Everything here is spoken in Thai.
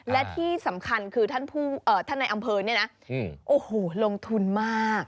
และที่สำคัญคือท่านในอำเภอเนี่ยนะโอ้โหลงทุนมาก